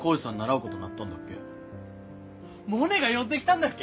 モネが呼んできたんだっけ？